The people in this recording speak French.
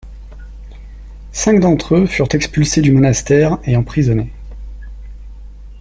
Cinq d’entre eux furent expulsés du monastère et emprisonnés.